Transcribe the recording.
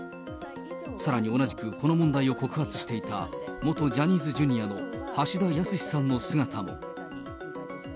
さらに同じく、この問題を告発していた元ジャニーズＪｒの橋田康さんの姿も。